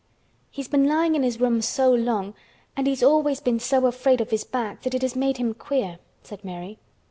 "He's been lying in his room so long and he's always been so afraid of his back that it has made him queer," said Mary.